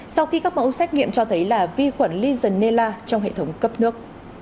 sau khi các mẫu xét nghiệm cho thấy là vi khuẩn legenela trong hệ thống cấp nước